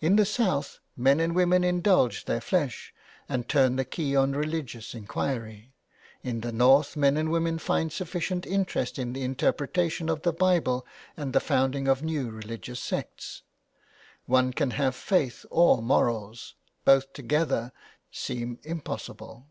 In the South men and women indulge their flesh and turn the key on religious inquiry ; in the North men and women find sufficient interest in the interpretation of the Bible and the founding of new religious sects. One can have faith or morals, both together seem impossible.